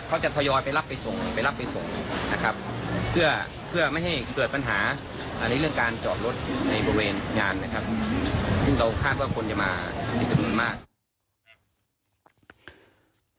ซึ่งเราคาดว่าคนจะมาดีกว่านั้นมาก